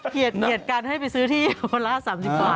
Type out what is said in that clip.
เกลียดกันให้ไปซื้อที่คนละ๓๐บาท